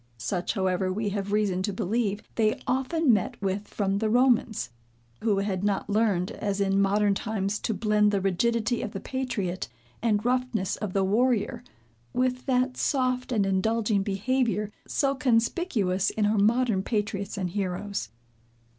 Such, however we have reason to believe, they often met with from the Romans, who had not learned, as in modern times to blend the rigidity of the patriot, and roughness of the warrior, with that soft and indulging behavior, so conspicuous in our modern patriots and heroes.